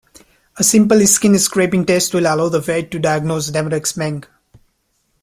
A simple skin scraping test will allow the vet to diagnose demodex mange.